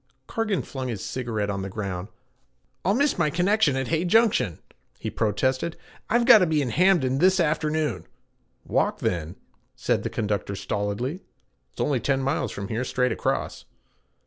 Cargan flung his cigarette on the ground. 'I'll miss my connection at Hay Junction!' he protested. 'I've gotta be in Hamden this afternoon.' 'Walk then,' said the conductor stolidly. 'It's only ten miles from here straight across.'